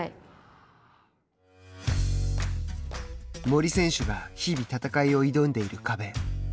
森選手が日々戦いを挑んでいる壁。